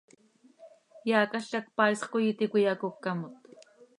Eaacalca cpaaisx coi íti cöiyacócamot.